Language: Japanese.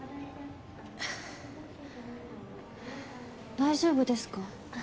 大丈夫ですか？